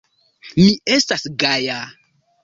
Mi estas gaja.